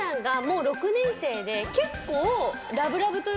結構。